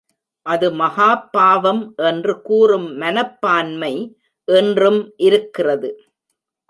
அது மகாப் பாவம் என்று கூறும் மனப்பான்மை இன்றும் இருக்கிறது.